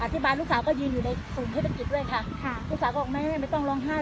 บายลูกสาวก็ยืนอยู่ในสุ่มเทศกิจด้วยค่ะลูกสาวก็บอกแม่ไม่ต้องร้องไห้